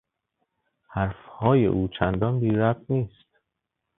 حرفهای او چندان بیربط نیست.